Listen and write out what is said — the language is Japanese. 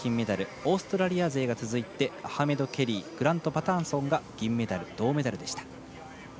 オーストラリア勢が続いてアハメド・ケリーグラント・パターソンが銀メダル、銅メダルでした。